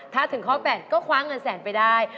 ถ้าถึงข้อ๘ก็คว้าเงินแสนไปได้